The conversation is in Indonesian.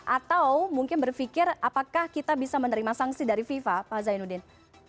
atau mungkin berpikir apakah kita bisa menerima sanksi dari fifa pak zainuddin